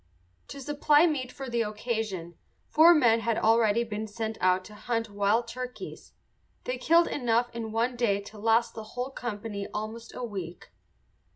To supply meat for the occasion four men had already been sent out to hunt wild turkeys. They killed enough in one day to last the whole company almost a week.